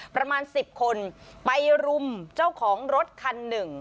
ประมาณ๑๐คนไปรุมเจ้าของรถคันหนึ่ง